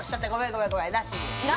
ごめんごめんなし。